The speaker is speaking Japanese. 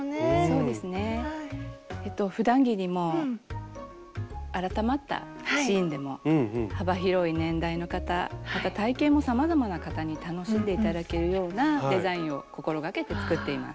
そうですねふだん着にも改まったシーンでも幅広い年代の方また体型もさまざまな方に楽しんで頂けるようなデザインを心がけて作っています。